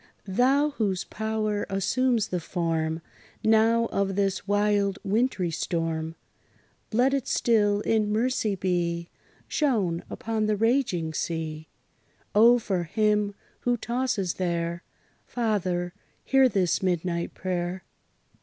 Thou, whose power assumes the form, Now, of this wild wintry storm, Let it still in mercy be Shown upon the raging sea! O! for him, who tosses there, Father, hear this midnight prayer!